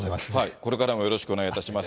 これからもよろしくお願いいたします。